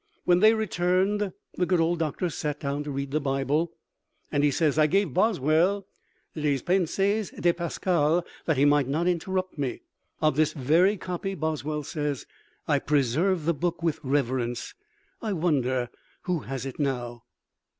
When they returned the good old doctor sat down to read the Bible, and he says, "I gave Boswell Les Pensées de Pascal, that he might not interrupt me." Of this very copy Boswell says: "I preserve the book with reverence." I wonder who has it now?